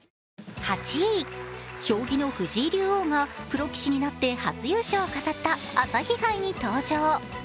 将棋の藤井竜王がプロ棋士になって初優勝を飾った朝日杯に登場。